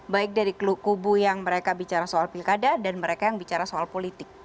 baik dari kubu yang mereka bicara soal pilkada dan mereka yang bicara soal politik